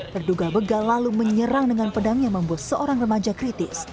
terduga begal lalu menyerang dengan pedang yang membuat seorang remaja kritis